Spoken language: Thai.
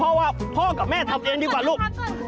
เพราะว่าพ่อกับแม่ทำเองดีกว่าลูก